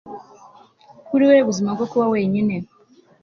kuri we ubuzima bwo kuba wenyine